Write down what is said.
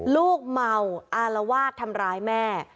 ลูกเมาอารวาสทำร้ายแม่